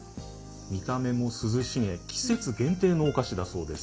見た目も涼しげ季節限定のお菓子だそうです。